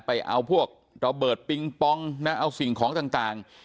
ไปเอาพวกระเบิดปิงปองนะเอาสิ่งของต่าง